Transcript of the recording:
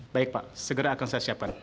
baik pak segera akan saya siapkan